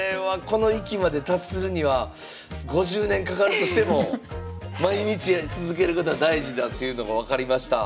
この域まで達するには５０年かかるとしても毎日続けることが大事だっていうのが分かりました。